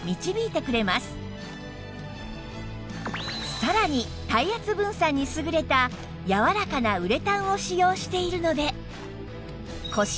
さらに体圧分散に優れた柔らかなウレタンを使用しているので